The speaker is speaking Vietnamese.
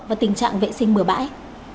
và tình trạng vệ sinh bừa bãi